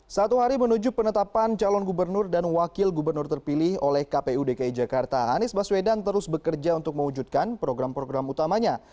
satu hari menuju penetapan calon gubernur dan wakil gubernur terpilih oleh kpu dki jakarta anies baswedan terus bekerja untuk mewujudkan program program utamanya